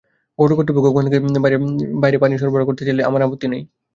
পৌর কর্তৃপক্ষ ওখান থেকে বাইরে পানি সরবরাহ করতে চাইলে আমার আপত্তি নেই।